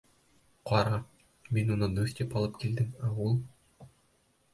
Ҡара, мин уны дуҫ тип алып килдем, ә ул...